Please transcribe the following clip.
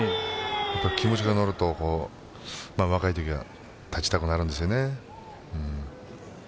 気持ちが乗ると若いときは立ちたくなるんですよね。